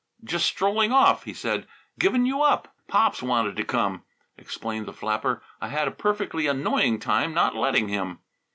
"Just strolling off," he said; "given you up." "Pops wanted to come," explained the flapper. "I had a perfectly annoying time not letting him.